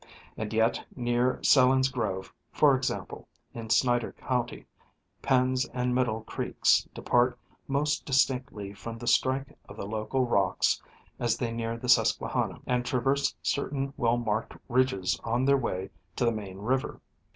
And yet near Selin's Grove, for example, in Snyder county, Penn's and Middle creeks depart most distinctly from the strike of the local rocks as they near the Susquehanna, and traverse certain well marked ridges on their way to the main river.